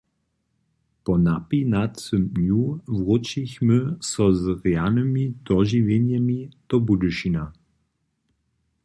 Po napinacym dnju wróćichmy so z rjanymi dožiwjenjemi do Budyšina.